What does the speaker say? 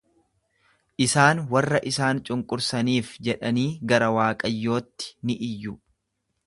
Isaan warra isaan cunqursaniif jedhanii gara Waaqayyootti ni iyyu.